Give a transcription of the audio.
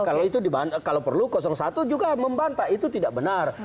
kalau perlu satu juga membantah itu tidak benar